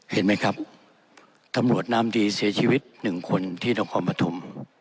เห็นไหมครับทำลวดนามดีเสียชีวิตหนึ่งคนที่ต้องความปฐม